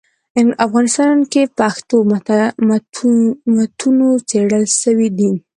افغانستان کي پښتو متونو څېړل سوي دي.